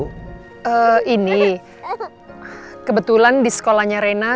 disini kebetulan di sekolahnya reina